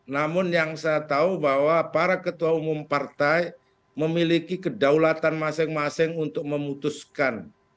namun yang saya tahu bahwa para ketua umum partai memiliki kedaulatan masing masing untuk memutuskan